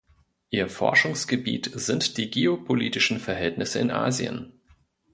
Ihr Forschungsgebiet sind die geopolitischen Verhältnisse in Asien.